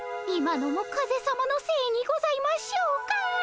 今のも風さまのせいにございましょうか？